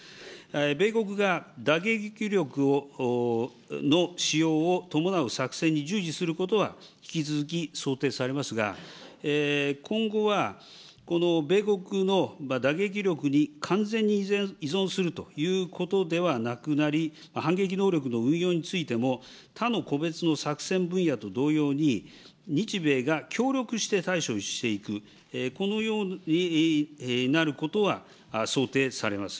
米国が打撃力の使用を伴う作戦に従事することは引き続き想定されますが、今後は米国の打撃力に完全に依存するということではなくなり、反撃能力の運用についても、他の個別の作戦分野と同様に、日米が協力して対処していく、このようになることは想定されます。